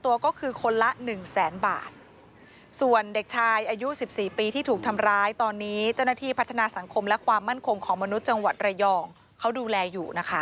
วันนี้เจ้าหน้าที่พัฒนาสังคมและความมั่นคงของมนุษย์จังหวัดระยองเขาดูแลอยู่นะคะ